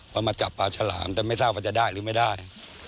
มาจับปลาฉลามแต่ไม่ทราบว่าจะได้หรือไม่ได้